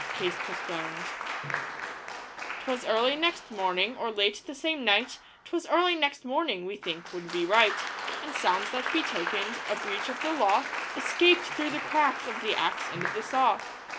(Case postponed.) 'Twas early next morning, or late the same night ''Twas early next morning' we think would be right And sounds that betokened a breach of the law Escaped through the cracks of the Axe and the Saw.